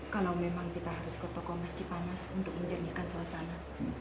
kalau memang kita harus ke toko masjid panas untuk menjernihkan suasana